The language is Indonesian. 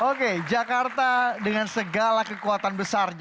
oke jakarta dengan segala kekuatan besarnya